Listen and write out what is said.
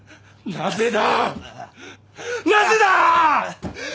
なぜだ！